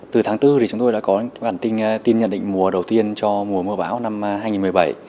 từ tháng bốn thì chúng tôi đã có bản tin nhận định mùa đầu tiên cho mùa mưa bão năm hai nghìn một mươi bảy